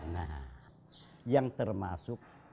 nah yang termasuk